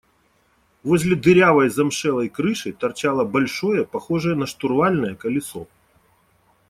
Возле дырявой замшелой крыши торчало большое, похожее на штурвальное, колесо.